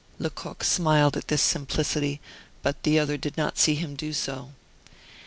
Lecoq smiled at this simplicity, but the other did not see him do so.